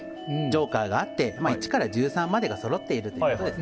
ジョーカーがあって１から１３までがそろっています。